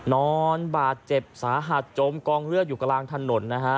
นอนบาดเจ็บสาหัสจมกองเลือดอยู่กลางถนนนะฮะ